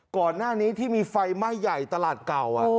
ก่อนหน้านี้ที่มีไฟไหม้ใหญ่ตลาดเก่า